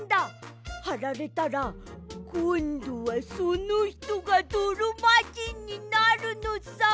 はられたらこんどはそのひとがどろまじんになるのさ。